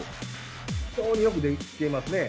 非常によくできてますね。